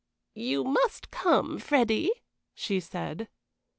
"You must come, Freddy," she said.